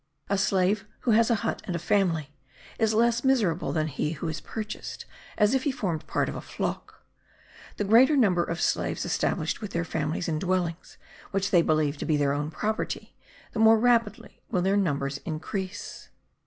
The slave who has a hut and a family is less miserable than he who is purchased as if he formed part of a flock. The greater the number of slaves established with their families in dwellings which they believe to be their own property, the more rapidly will their numbers increase.